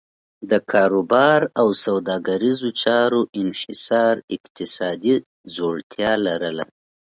د کاروبار او سوداګریزو چارو انحصار اقتصادي ځوړتیا لرله.